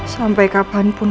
sampai kapan pun